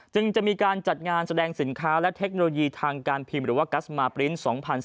จึงจะมีการจัดงานแสดงสินค้าและเทคโนโลยีทางการพิมพ์หรือว่ากัสมาปริ้นต์๒๐๑๘